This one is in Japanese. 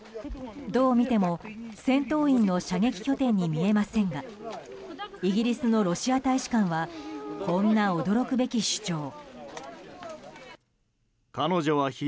どう見ても戦闘員の射撃拠点に見えませんがイギリスのロシア大使館はこんな驚くべき主張。